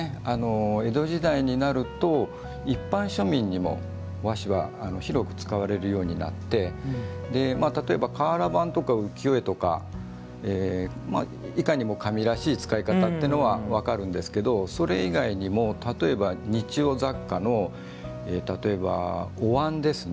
江戸時代になると一般庶民にも、和紙は広く使われるようになって例えば、瓦版とか浮世絵とかいかにも紙らしい使い方っていうのは分かるんですけどそれ以外にも例えば、日用雑貨のおわんですね